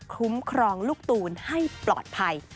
คุ้มครองลูกตูนให้ปลอดภัย